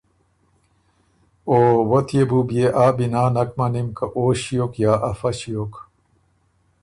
که وۀ تيې بُو بيې آ بِنا نک مَنِم که او ݭیوک یا افۀ ݭیوک۔